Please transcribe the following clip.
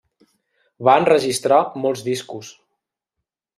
Va enregistrar molts discos.